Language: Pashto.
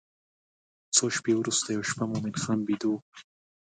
څو شپې وروسته یوه شپه مومن خان بیده و.